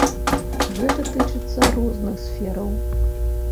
Гэта тычыцца розных сфераў.